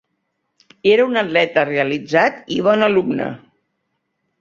Era un atleta realitzat i bon alumne.